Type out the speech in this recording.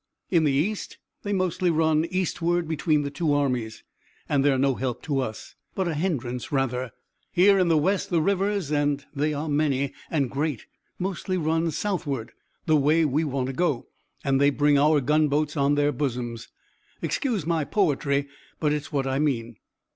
In the East they mostly run eastward between the two armies, and they are no help to us, but a hindrance rather. Here in the West the rivers, and they are many and great, mostly run southward, the way we want to go, and they bring our gunboats on their bosoms. Excuse my poetry, but it's what I mean."